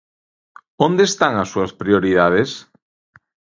¿Onde están as súas prioridades?